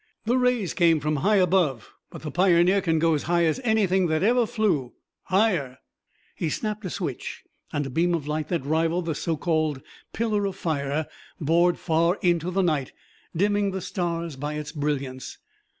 "The rays came from high above, but the Pioneer can go as high as anything that ever flew higher." He snapped a switch and a beam of light that rivalled the so called pillar of fire bored far into the night, dimming the stars by its brilliance.